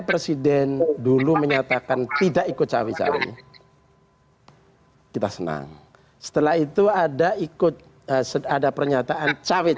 presiden dulu menyatakan tidak ikut cewek cewek kita senang setelah itu ada ikut ada pernyataan